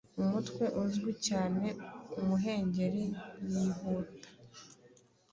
Umutwe uzwi cyane Umuhengeri yihuta